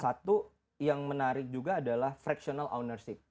satu yang menarik juga adalah fractional ownership